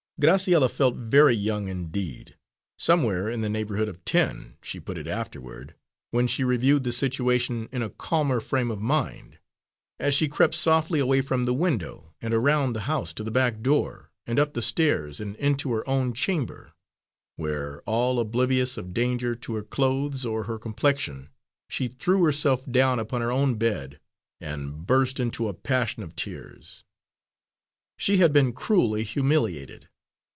Graciella felt very young indeed somewhere in the neighbourhood of ten, she put it afterward, when she reviewed the situation in a calmer frame of mind as she crept softly away from the window and around the house to the back door, and up the stairs and into her own chamber, where, all oblivious of danger to her clothes or her complexion, she threw herself down upon her own bed and burst into a passion of tears. She had been cruelly humiliated.